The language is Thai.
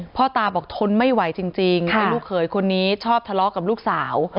พ่อตาบอกทนไม่ไหวจริงให้ลูกเขยคนนี้ชอบทะเลาะกับลูกสาว